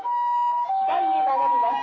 「左へ曲がります。